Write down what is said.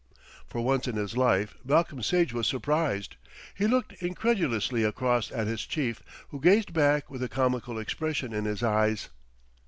For once in his life Malcolm Sage was surprised. He looked incredulously across at his chief, who gazed back with a comical expression in his eyes.